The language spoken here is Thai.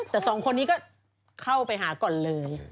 แต่สองคนนี้ก็เข้าไปหาก่อนเลย